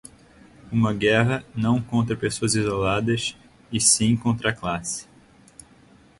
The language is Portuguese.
uma guerra, não contra pessoas isoladas, e sim contra a classe